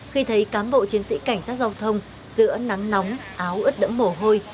thì thấy cán bộ chiến sĩ cảnh sát giao thông giữa nắng nóng áo ướt đẫm mổ hôi